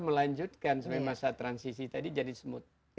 melanjutkan sampai masa transisi tadi jadi smooth